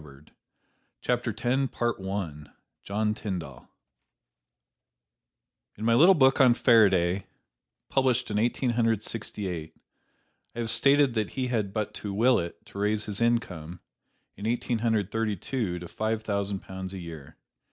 HUXLEY [Illustration: JOHN TYNDALL] JOHN TYNDALL In my little book on Faraday, published in Eighteen Hundred Sixty eight, I have stated that he had but to will it to raise his income, in Eighteen Hundred Thirty two, to five thousand pounds a year.